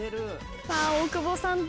さあ大久保さん。